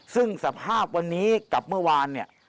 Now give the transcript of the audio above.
ซึ่งสภาพวันนี้กับเมื่อวานเนี่ย